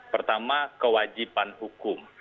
pertama kewajiban hukum